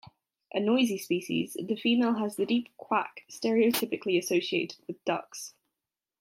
A noisy species, the female has the deep "quack" stereotypically associated with ducks.